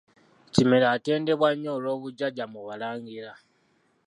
Kimera atendebwa nnyo olw'obujjajja mu Balangira.